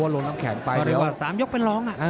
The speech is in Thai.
ลงน้ำแข็งไปเรียกว่า๓ยกเป็นรอง